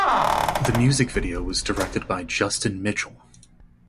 The music video was directed by Justin Mitchell.